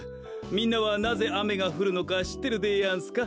みんなはなぜあめがふるのかしってるでやんすか？